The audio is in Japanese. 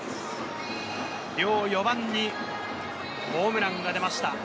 両４番にホームランが出ました。